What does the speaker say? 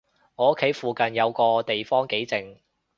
我屋企附近有個地方幾靜